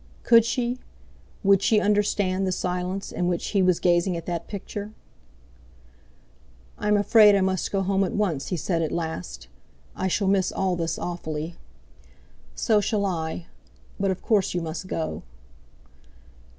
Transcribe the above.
Could she, would she understand the silence in which he was gazing at that picture? "I'm afraid I must go home at once," he said at last. "I shall miss all this awfully." "So shall I; but, of course, you must go."